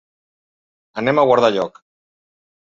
Anem a guardar lloc.